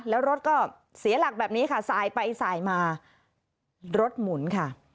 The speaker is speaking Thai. แล้วรถก็เสียหลักแบบนี้ค่ะสายไปสายมารถหมุนค่ะ